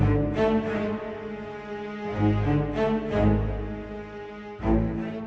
jangan lama lama kita sudah datang